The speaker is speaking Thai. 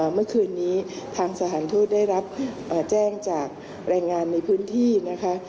เมื่อคืนนี้ทางสถานทูตได้รับแจ้งจากแรงงานในพื้นที่นะคะ